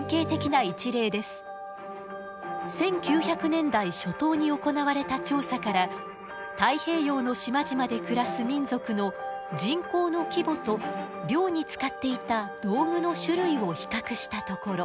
１９００年代初頭に行われた調査から太平洋の島々で暮らす民族の人口の規模と漁に使っていた道具の種類を比較したところ。